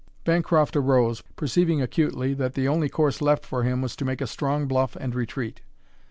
Bancroft arose, perceiving acutely that the only course left for him was to make a strong bluff and retreat.